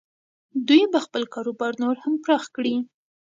دوی به خپل کاروبار نور هم پراخ کړي.